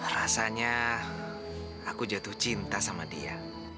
rasanya aku jatuh cinta sama dia